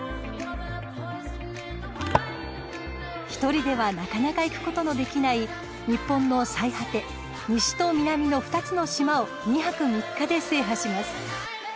ひとりではなかなか行くことのできない日本の最果て西と南の２つの島を２泊３日で制覇します。